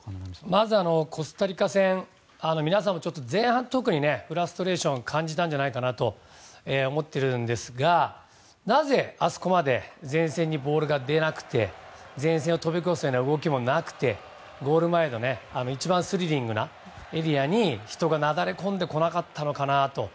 まずコスタリカ戦皆さんも前半特にフラストレーションを感じたんじゃないかなと思っているんですがなぜ、あそこまで前線にボールが出なくて前線を跳び越すような動きもなくてゴール前の一番スリリングなエリアに人がなだれ込んでこなかったのかなと。